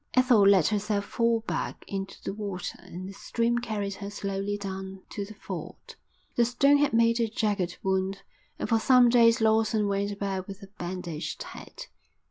Ethel let herself fall back into the water and the stream carried her slowly down to the ford. The stone had made a jagged wound and for some days Lawson went about with a bandaged head.